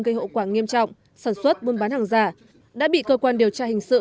gây hậu quả nghiêm trọng sản xuất buôn bán hàng giả đã bị cơ quan điều tra hình sự